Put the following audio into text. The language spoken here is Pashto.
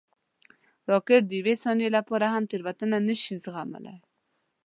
راکټ د یوې ثانیې لپاره هم تېروتنه نه شي زغملی